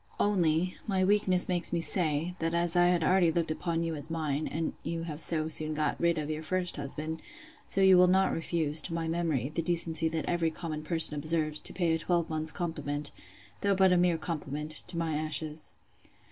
—Only, my weakness makes me say, That as I had already looked upon you as mine, and you have so soon got rid of your first husband; so you will not refuse, to my memory, the decency that every common person observes, to pay a twelvemonth's compliment, though but a mere compliment, to my ashes.